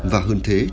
và hơn thế